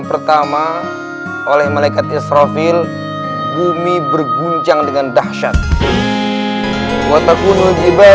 pertama oleh malaikat israfil bumi berguncang dengan dahsyat watakunul jibalul